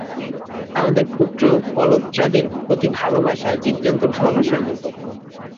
আমাদের পুত্রকলত্রাদির প্রতি ভালবাসা জীবজন্তুর ভালবাসার মত।